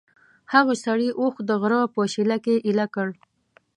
هغه سړي اوښ د غره په شېله کې ایله کړ.